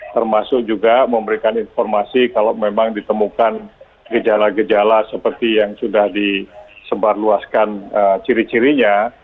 termasuk juga memberikan informasi kalau memang ditemukan gejala gejala seperti yang sudah disebarluaskan ciri cirinya